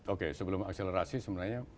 oke sebelum mengakselerasi sebenarnya